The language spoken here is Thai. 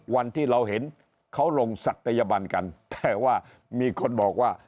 วันที่เราเห็นเขาลงศัตยบันกันแต่ว่ามีคนบอกว่า